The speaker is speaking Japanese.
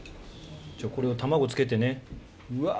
じゃあこれを卵つけてねうわ。